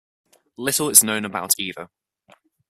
Little is known about either.